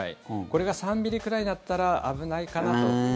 これが３ｍｍくらいになったら危ないかなと。